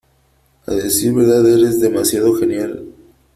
A decir verdad , eres demasiado genial .